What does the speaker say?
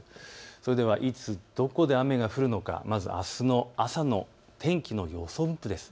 それではいつどこで雨が降るのかまずあすの朝の天気の予想分布です。